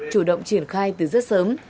chủ động triển khai từ rất sớm